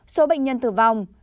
số bệnh nhân tử vong bốn